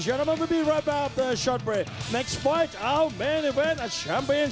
สุดท้ายครับทุกคนเราจะรับแรมของชอตเบอร์